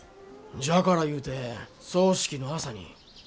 じゃからいうて葬式の朝に。